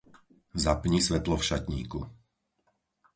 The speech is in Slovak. Zapni svetlo v šatníku.